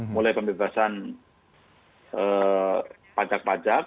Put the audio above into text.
mulai pembebasan pajak pajak